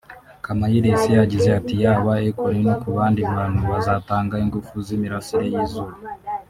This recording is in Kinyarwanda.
Kamayiresi yagize ati “ Yaba Akon no ku bandi bantu bazatanga ingufu z’imirasire y’izuba